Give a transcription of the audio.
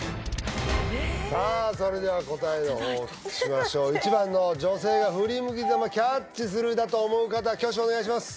さあそれでは答えの方をお聞きしましょう１番の女性が振り向きざまキャッチするだと思う方挙手お願いします